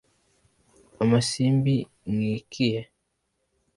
Amasimbi nkikiye